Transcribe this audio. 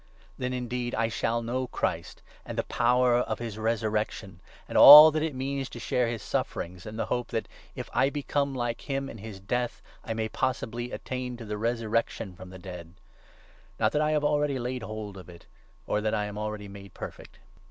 Then indeed I shall know Christ, and 10 the power of his resurrection, and all that it means to share his sufferings, in the hope that, if I become like him in his death, I may possibly attain to the resurrection from the dead, n Not that I have already laid hold of it, or that I am already made 12 perfect.